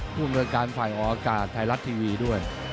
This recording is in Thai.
คุณรัฐการณ์ไฟออกอากาศไทยรัฐทีวีด้วย